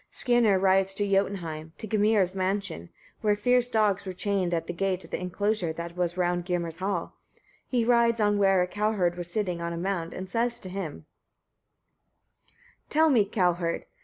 Skirnir rides to Jotunheim, to Gymir's mansion, where fierce dogs were chained at the gate of the enclosure that was round Gymir's hall. He rides on to where a cowherd was sitting on a mound, and says to him: 11. Tell me, cowherd!